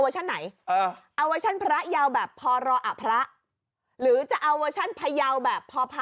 จังหวัดพระเยาพระเชื้อเยา